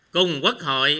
cùng quốc hội